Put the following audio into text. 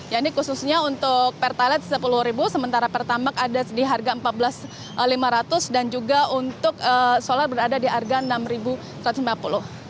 jadi khususnya untuk per toilet rp sepuluh sementara per tambak ada di harga rp empat belas lima ratus dan juga untuk solar berada di harga rp enam satu ratus lima puluh